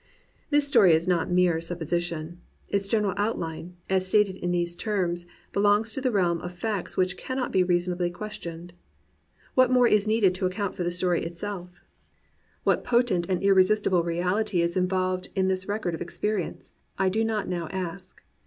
This story is not a mere supposition: its general outline, stated in these terms, belongs to the realm of facts which cannot reasonably be questioned. What more is needed to account for the story itself, 9 COMPANIONABLE BOOKS what potent and irresistible reality is involved in this record of experience, I do not now ask.